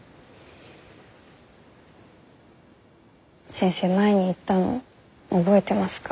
先生前に言ったの覚えてますか？